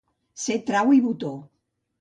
Ser trau i botó.